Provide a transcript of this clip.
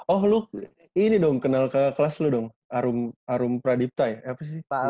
oh lu ini dong kenal ke kelas lu dong arum pradipta ya apa sih